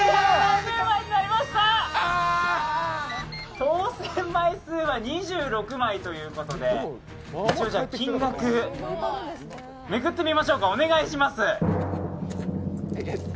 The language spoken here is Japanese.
当せん枚数は２６枚ということで、金額、めくってみましょうかお願いします。